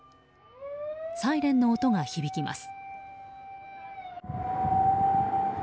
サイレンの音が響きます。